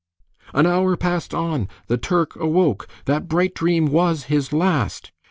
"An hour passed on: the Turk awoke: That bright dream WAS his last."